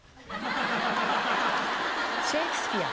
シェイクスピア